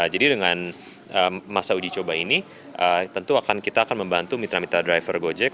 jadi dengan masa uji coba ini tentu kita akan membantu mitra mitra driver gojek